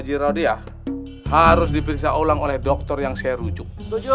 ncaa harus dipisah oleh dokter yang saya rujuk